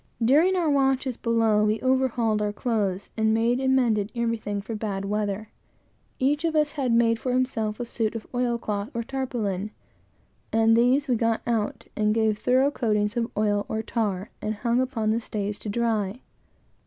During our watches below we overhauled our clothes, and made and mended everything for bad weather. Each of us had made for himself a suit of oil cloth or tarpaulin, and these we got out, and gave thorough coatings of oil or tar, and hung upon the stays to dry.